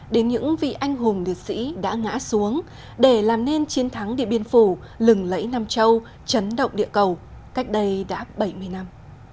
đến những vị anh hùng liệt sĩ đã ngã xuống để làm nên chiến thắng điện biên phủ lừng lẫy nam châu chấn động địa cầu cách đây đã bảy mươi năm